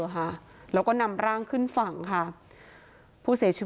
พ่อแม่มาเห็นสภาพศพของลูกร้องไห้กันครับขาดใจ